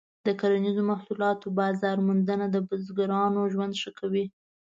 د کرنیزو محصولاتو بازار موندنه د بزګرانو ژوند ښه کوي.